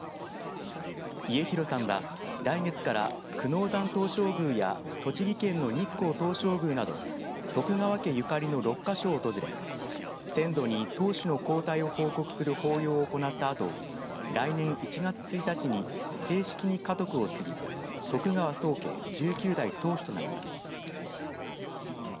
家広さんは、来月から久能山東照宮や栃木県の日光東照宮など徳川家ゆかりの６か所を訪れ先祖に当主の交代を報告する法要を行ったあと来年１月１日に正式に家督を継ぎ徳川宗家１９代当主となります。